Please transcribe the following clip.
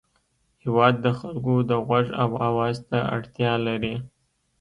هېواد د خلکو د غوږ او اواز ته اړتیا لري.